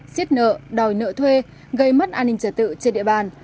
xiết nợ đòi nợ thuê gây mất an ninh trả tự trên địa bàn